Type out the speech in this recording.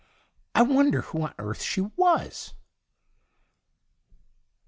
I wonder who on earth she was